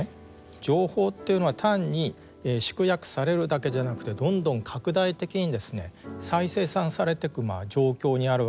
情報っていうのは単に縮約されるだけじゃなくてどんどん拡大的に再生産されてく状況にあるわけなんですね。